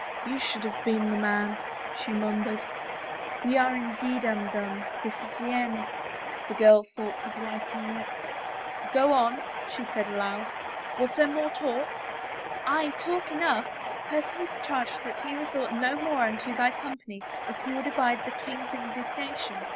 "You should have been the man," she murmured. "We are indeed undone — this is the end," the girl thought with whitening lips. " Go on," she said aloud. " Was there more talk ?"" Aye, talk enough. Percy was charged that he resort no more unto thy company as he would abide the king's indignation